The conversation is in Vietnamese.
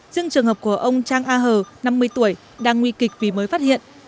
riêng trường hợp của ông trang a hờ năm mươi tuổi đang nguy kịch vì mới phát hiện